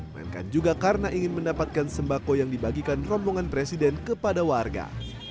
melainkan juga karena ingin mendapatkan sembako yang dibagikan rombongan presiden kepada warga